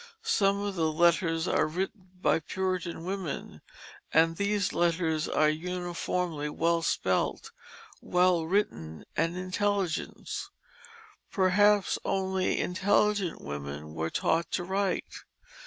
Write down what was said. Some of the letters are written by Puritan women; and these letters are uniformly well spelt, well written, and intelligent. Perhaps only intelligent women were taught to write.